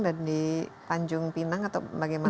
dan di panjung pinang atau bagaimana